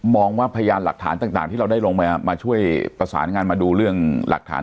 ว่าพยานหลักฐานต่างที่เราได้ลงมามาช่วยประสานงานมาดูเรื่องหลักฐาน